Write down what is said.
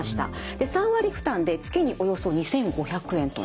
３割負担で月におよそ２，５００円ということです。